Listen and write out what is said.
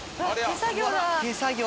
手作業だ。